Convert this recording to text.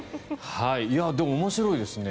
でも面白いですね。